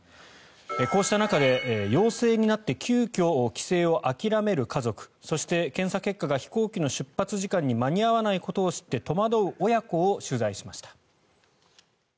こうした中で陽性になって急きょ帰省を諦める家族そして検査結果が飛行機の出発に間に合わないことを知って戸惑う親子を取材しました。